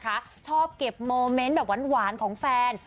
ชอบเก็บโมเมนต์แบบหวานของแฟน